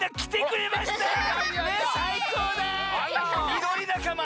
みどりなかま！